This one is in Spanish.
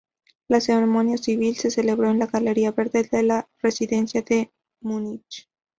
La ceremonia civil se celebró en la Galería Verde en la Residencia de Múnich.